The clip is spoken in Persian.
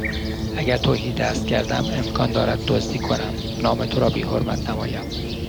اگر تهیدست گردم امکان دارد دزدی کنم نام تو را بیحرمت نمایم